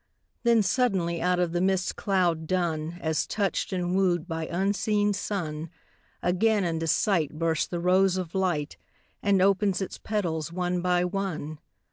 Then suddenly out of the mist cloud dun, As touched and wooed by unseen sun, Again into sight bursts the rose of light And opens its petals one by one.